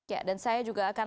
ya dan saya juga akan